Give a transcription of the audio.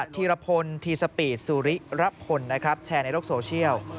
ทีระพลทีสปีดสุริระพลแชร์ในโลกโซเชียล